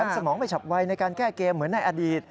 สมองไม่ฉับไวในการแก้เกมเหมือนในอดีต